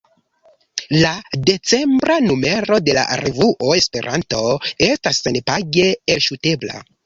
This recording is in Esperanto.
La decembra numero de la revuo Esperanto estas senpage elŝutebla.